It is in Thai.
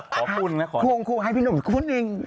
ขอคุณนะขอคุณนะครับควงให้พี่หนุ่มคุณเอง